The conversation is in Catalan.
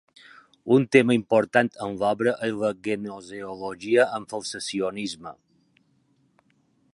Un tema important en l'obra és la gnoseologia amb falsacionisme.